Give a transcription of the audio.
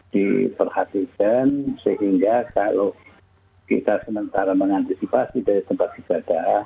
diperhatikan sehingga kalau kita sementara mengantisipasi dari tempat ibadah